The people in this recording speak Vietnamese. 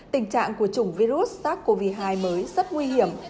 tình trạng của chủng virus sars cov hai mới rất nguy hiểm